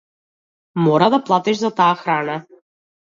Мора да платиш за таа храна.